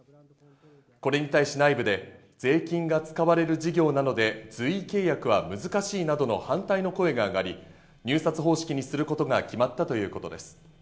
これに対し内部で税金が使われる事業なので、随意契約は難しいなどの反対の声が上がり、入札方式にすることが決まったということです。